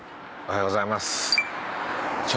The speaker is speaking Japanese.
おはようございます。